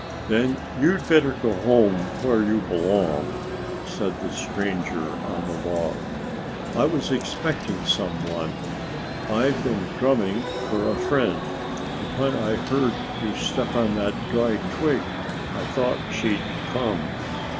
"Then you'd better go home where you belong," said the stranger on the log. "I was expecting some one. I've been drumming for a friend. And when I heard you step on that dry twig I thought she'd come.